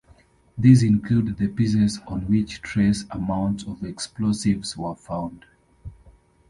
This included the pieces on which trace amounts of explosives were found.